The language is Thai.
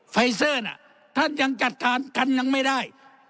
ไฟเซอร์น่ะท่านยังจัดการกันยังไม่ได้